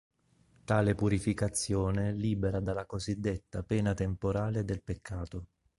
Tale purificazione libera dalla cosiddetta 'pena temporale' del peccato.